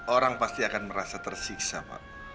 orang pasti akan merasa tersiksa pak